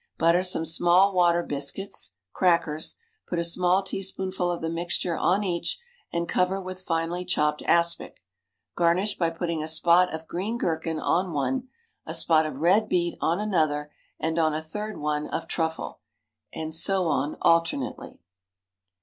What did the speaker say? Butter some small water biscuits (crackers), put a small teaspoonful of the mixture on each, and cover with finely chopped aspic. Garnish by putting a spot of green gherkin on one, a spot of red beet on another, and on a third one of truffle, and so on alternately.